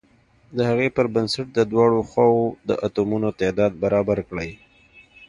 د هغې پر بنسټ د دواړو خواو د اتومونو تعداد برابر کړئ.